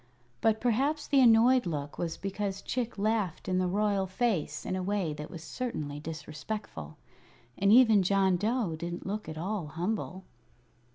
But perhaps the annoyed look was because Chick laughed in the royal face in a way that was certainly disrespectful, and even John Dough didn't look at all humble.